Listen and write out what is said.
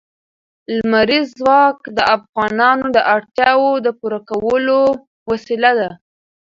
لمریز ځواک د افغانانو د اړتیاوو د پوره کولو وسیله ده.